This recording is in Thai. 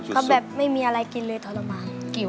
เขาแบบไม่มีอะไรกินเลยทรมาน